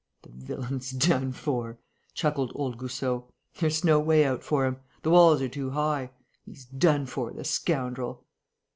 "The villain's done for," chuckled old Goussot. "There's no way out for him. The walls are too high. He's done for, the scoundrel!"